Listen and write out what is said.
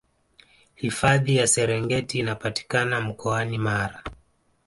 hifadhi ya serengeti inapatikana mkoani mara